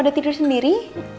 udah tidur sendiri